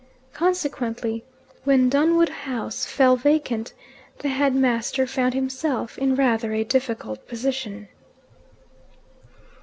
Consequently, when Dunwood House fell vacant the headmaster found himself in rather a difficult position.